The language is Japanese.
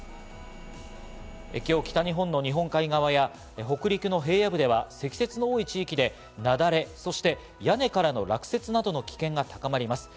今日、北日本の日本海側や北陸の平野部では積雪の多い地域で雪崩、そして屋根からの落雪などの危険が高まります。